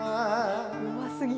うますぎる。